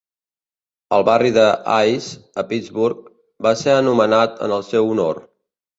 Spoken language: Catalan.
El barri de Hays, a Pittsburgh, va ser anomenat en el seu honor.